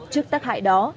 trước tác hại đó